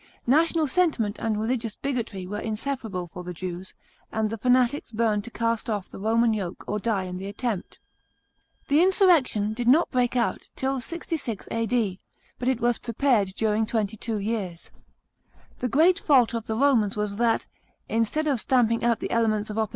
National sentiment and religious bigotry were inseparable for the Jews ; and the fanatics burned to cast off the Roman yoke or die in the attempt. The insurrection did not break out till 66 A.D., but it was prepared during twenty two years. The great fault of the Romans was that, instead of stamping out the elements of op?)